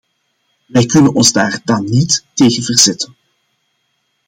Wij kunnen ons daar dan niet tegen verzetten.